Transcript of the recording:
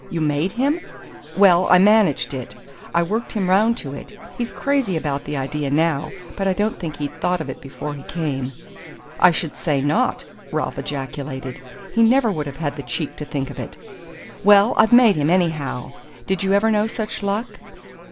You MADE him?" "Well, I managed it, I worked him round to it! He's crazy about the idea now but I don't think he'd thought of it before he came." "I should say not!" Ralph ejaculated. "He never would have had the cheek to think of it." "Well, I've made him, anyhow! Did you ever know such luck?"